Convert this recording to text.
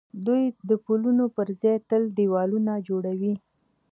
دوی د پلونو پر ځای تل دېوالونه جوړوي.